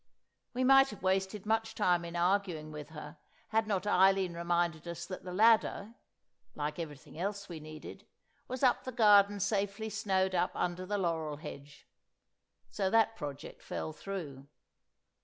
We might have wasted much time in arguing with her had not Eileen reminded us that the ladder—like everything else we needed—was up the garden safely snowed up under the laurel hedge. So that project fell through.